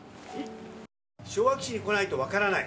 昭和基地に来ないと分からない。